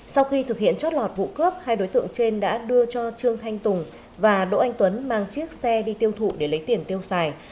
sau khi thực hiện chót lọt vụ cướp hai đối tượng trên đã đưa cho trương thanh tùng và đỗ anh tuấn mang chiếc xe đi tiêu thụ để lấy tiền tiêu xài